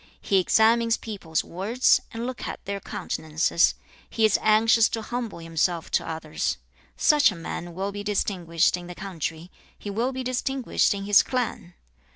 He examines people's words, and looks at their countenances. He is anxious to humble himself to others. Such a man will be distinguished in the country; he will be distinguished in his clan.